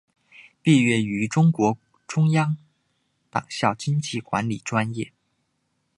毕业于中共中央党校经济管理专业。